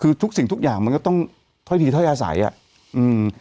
คือทุกสิ่งทุกอย่างมันก็ต้องถ้อยทีถ้อยอาศัยอ่ะอืม